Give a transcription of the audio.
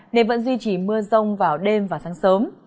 nên vẫn duy trì mưa rông vào đêm và sáng sớm